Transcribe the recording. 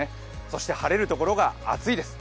そして晴れるところが暑いです。